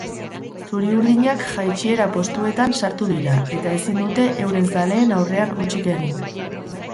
Zuri-urdinak jaitsiera postuetan sartu dira eta ezin dute euren zaleen aurrean hutsik egin.